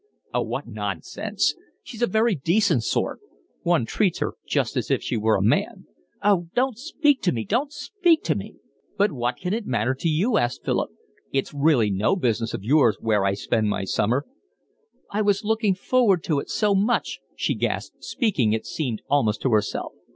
"Oh, what nonsense! She's a very decent sort. One treats her just as if she were a man." "Oh, don't speak to me, don't speak to me." "But what can it matter to you?" asked Philip. "It's really no business of yours where I spend my summer." "I was looking forward to it so much," she gasped, speaking it seemed almost to herself.